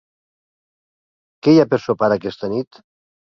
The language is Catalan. Què hi ha per sopar aquesta nit?